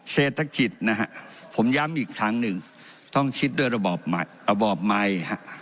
เศรษฐกิจนะครับผมย้ำอีกครั้งหนึ่งต้องคิดด้วยระบอบใหม่